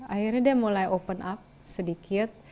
akhirnya dia mulai open up sedikit